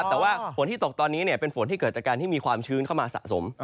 แต่ว่าฝนที่ตกตอนนี้เป็นฝนที่เกิดจากการที่มีความชื้นเข้ามาสะสม